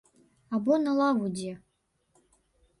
Або на лаву дзе.